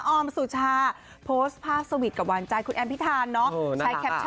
อมสุชาโพสต์ภาพสวิทย์กับหวานใจคุณแอมพิธานเนาะ